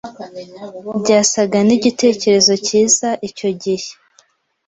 Byasaga nkigitekerezo cyiza icyo gihe.